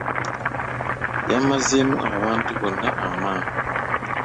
Yamazeemu abantu bonna amaanyi.